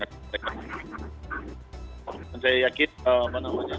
dan saya yakin mana mana di final nanti semua mau main seksi